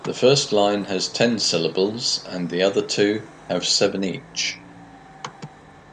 The first line has ten syllables and the other two have seven each.